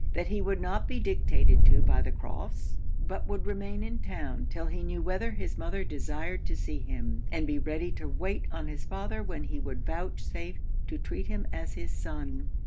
That he would not be dictated to by the Crofts; but would remain in town 'till he knew whether his mother desired to see him; and be ready to wait on his father when he would vouchsafe to treat him as his son.'